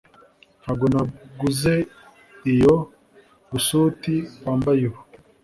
ntabwo naguze iyo busuuti wambaye ubu